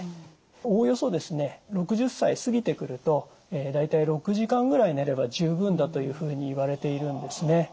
おおよそですね６０歳過ぎてくると大体６時間ぐらい寝れば十分だというふうにいわれているんですね。